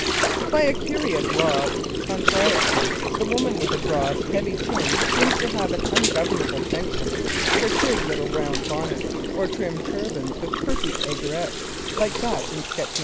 By a curious law of contrariety the woman with a broad, heavy chin seems to have an ungovernable penchant for trig little round bonnets, or trim turbans with perky aigrettes, like that in sketch No.